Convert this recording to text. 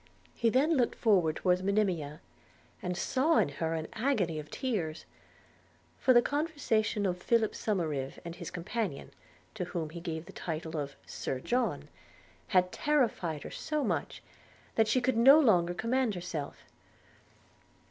He then looked forward towards Monimia, and saw her in a agony of tears; for the conversation of Philip Somerive and his companion, to whom he gave the title of Sir John, had terrified her so much that she could no longer command herself.